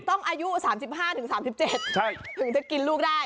อายุ๓๕๓๗ถึงจะกินลูกได้